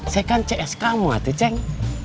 saya kan cs kamu atu ceng